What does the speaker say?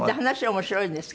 面白いんですよ